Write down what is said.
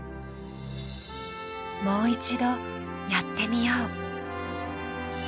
もう一度やってみよう。